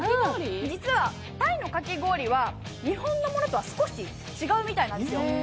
実はタイのかき氷は日本のものとは少し違うみたいなんですよ。